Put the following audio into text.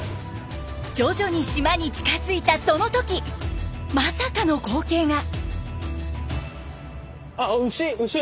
徐々に島に近づいたその時まさかの光景が。